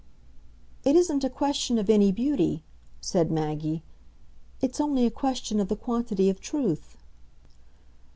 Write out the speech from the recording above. "It isn't a question of any beauty," said Maggie; "it's only a question of the quantity of truth."